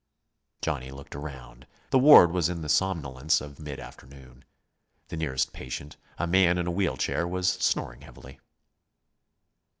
Johnny looked around. The ward was in the somnolence of mid afternoon. The nearest patient, a man in a wheel chair, was snoring heavily.